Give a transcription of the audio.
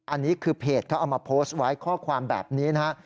อันนี้คือเพจเขาเอามาโพสต์ไว้ข้อความแบบนี้นะฮะ